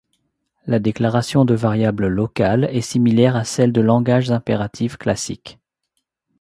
La déclaration de variables locales est similaire à celle de langages impératifs classiques.